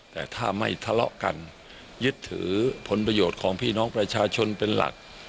แต่ถ้าไม่ทะเลาะกันยึดถือผลประโยชน์ของพี่น้องประชาชนเป็นหลัก